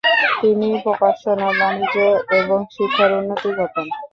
তিনি প্রকাশনা, বাণিজ্য এবং শিক্ষার উন্নতি ঘটান।